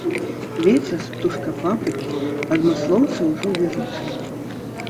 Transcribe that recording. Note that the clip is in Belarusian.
Вецер з птушкафабрыкі, адмыслоўцы ўжо вызначылі.